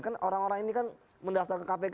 kan orang orang ini kan mendaftarkan kpk